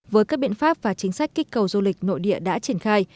với các biện pháp và chính sách kích cầu du lịch nội địa đã triển khai